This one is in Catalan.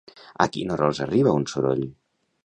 A quina hora els arriba un soroll?